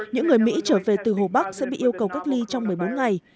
những người mỹ trở về từ hồ bắc sẽ bị yêu cầu cách ly trong một mươi bốn ngày